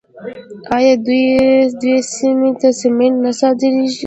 آیا دوی سیمې ته سمنټ نه صادروي؟